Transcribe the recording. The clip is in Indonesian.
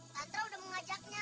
tantra udah mengajaknya